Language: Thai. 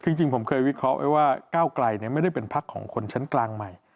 คือจริงผมเคยวิเคราะห์ไว้ว่าก้าวไกลไม่ได้เป็นพักของคนชั้นกลางใหม่